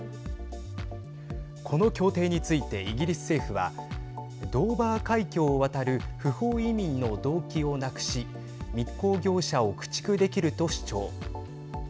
この協定についてイギリス政府はドーバー海峡を渡る不法移民の動機をなくし密航業者を駆逐できると主張。